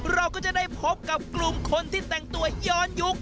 เราก็จะได้พบกับกลุ่มคนที่แต่งตัวย้อนยุค